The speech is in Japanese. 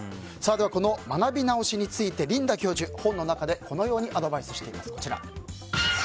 学び直しについてリンダ教授は本の中でこのようにアドバイスしています。